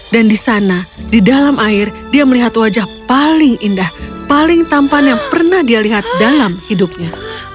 dan di sana di dalam air dia melihat wajah paling indah paling tampan yang pernah dia lihat dalam hidupnya